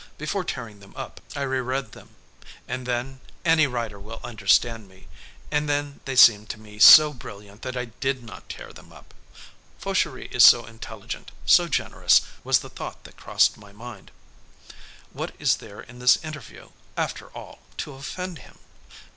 Before tearing them up, I reread them. And then any writer will understand me and then they seemed to me so brilliant that I did not tear them up. Fauchery is so intelligent, so generous, was the thought that crossed my mind. What is there in this interview, after all, to offend him?